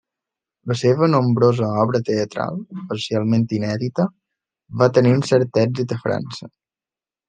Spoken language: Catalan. La seva nombrosa obra teatral, parcialment inèdita, va tenir un cert èxit a França.